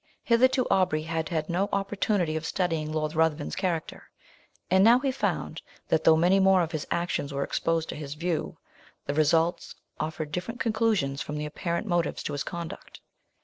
Hitherto, Aubrey had had no opportunity of studying Lord Ruthven's character, and now he found, that, though many more of his actions were exposed to his view, the results offered different conclusions from the apparent motives to his conduct.